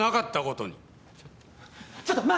ちょっと待って！